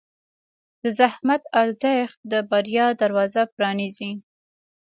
د زحمت ارزښت د بریا دروازه پرانیزي.